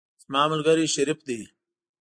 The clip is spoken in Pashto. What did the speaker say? زما ملګری شریف دی.